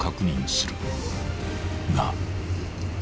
［が］